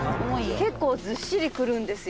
結構ずっしりくるんですよ」